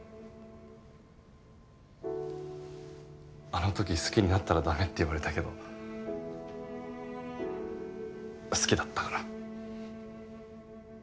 あの時好きになったら駄目って言われたけど好きだったから。